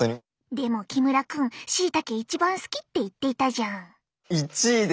でも木村君シイタケ一番好きって言っていたじゃん。